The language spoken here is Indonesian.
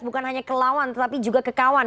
bukan hanya ke lawan tetapi juga ke kawan